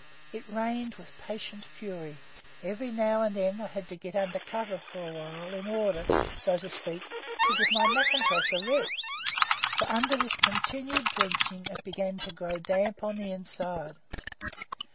It rained with patient fury; every now and then I had to get under cover for a while in order, so to speak, to give my mackintosh a rest; for under this continued drenching it began to grow damp on the inside.